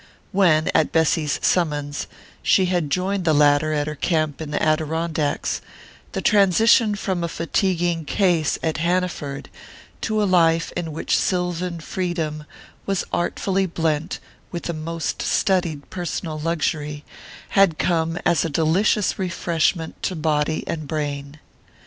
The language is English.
When, at Bessy's summons, she had joined the latter at her camp in the Adirondacks, the transition from a fatiguing "case" at Hanaford to a life in which sylvan freedom was artfully blent with the most studied personal luxury, had come as a delicious refreshment to body and brain.